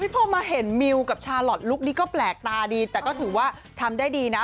พอมาเห็นมิวกับชาลอทลุคนี้ก็แปลกตาดีแต่ก็ถือว่าทำได้ดีนะ